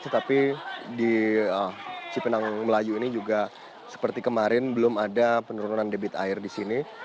tetapi di cipinang melayu ini juga seperti kemarin belum ada penurunan debit air di sini